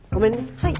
はい。